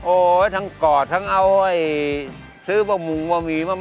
โอ๊ยทั้งกอดทั้งเอาไว้ซื้อปลาหมูปลาหมีมาก